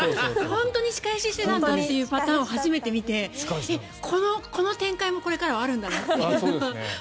本当に仕返ししてたんだというパターンを初めて見てこの展開がこれからはあるんだなと。